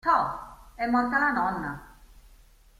Toh, è morta la nonna!